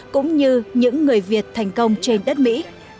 cũng như những người việt thành công trên đất mỹ